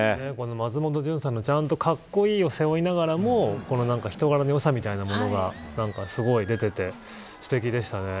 松本潤さんがちゃんとかっこいいを背負いながらも人柄の良さみたいなものがすごい出ていてすてきでしたね。